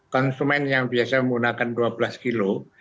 konsumen yang biasa menggunakan dua belas kilo